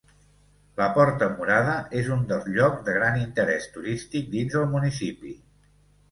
La Porta Murada és un dels llocs de gran interès turístic dins el municipi.